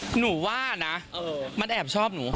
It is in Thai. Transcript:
หนูว่านะมันแอบชอบหนู